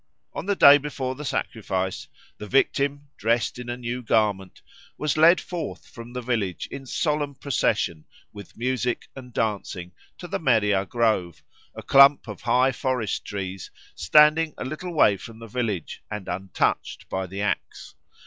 On the day before the sacrifice the victim, dressed in a new garment, was led forth from the village in solemn procession, with music and dancing, to the Meriah grove, a clump of high forest trees standing a little way from the village and untouched by the axe.